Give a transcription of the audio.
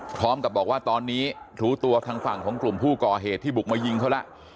พร้อมกับบอกว่าตอนนี้รู้ตัวทางฝั่งของกลุ่มผู้ก่อเหตุที่บุกมายิงเขาแล้ว